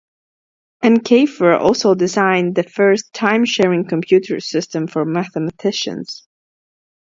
Uncapher also designed the first time-sharing computer system for mathematicians.